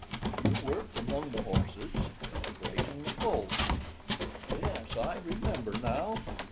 "You worked among the horses—breaking the colts. Yes, I remember now.